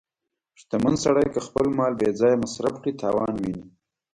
• شتمن سړی که خپل مال بې ځایه مصرف کړي، تاوان ویني.